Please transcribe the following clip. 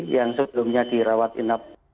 yang sebelumnya dirawat inap